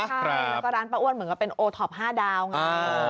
แล้วก็ร้านป้าอ้วนเหมือนกับเป็นโอท็อป๕ดาวไง